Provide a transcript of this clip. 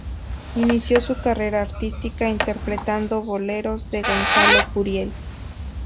Inició su carrera artística interpretando boleros de Gonzalo Curiel.